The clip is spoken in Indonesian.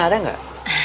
emang kok laruh